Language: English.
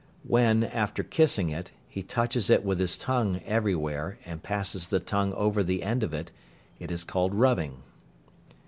When, after kissing it, he touches it with his tongue everywhere, and passes the tongue over the end of it, it is called "rubbing."